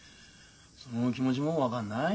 その気持ちも分がんない。